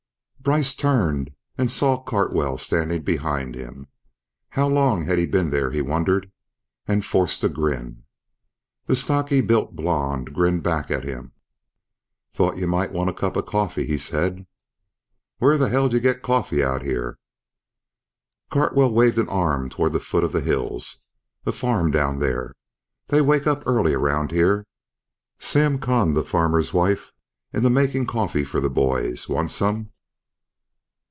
Brice turned and saw Cartwell standing behind him. How long has he been there, he wondered, and forced a grin. The stocky built blond grinned back at him. "Thought you might want a cup of coffee," he said. "Where the hell will you get coffee out here?" Cartwell waved an arm toward the foot of the hills. "A farm down there. They wake up early around here. Sam conned the farmer's wife into making coffee for the boys. Want some?"